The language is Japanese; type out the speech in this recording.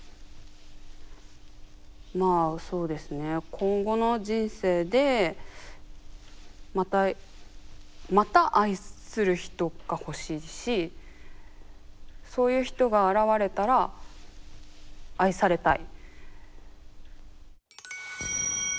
今後の人生でまたまた愛する人が欲しいしそういう人が現れたら愛されたい。